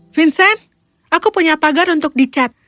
vincent aku punya pagar untuk dicat